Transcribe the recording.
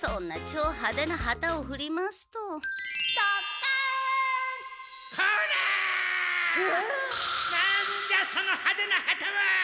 なんじゃそのハデな旗は！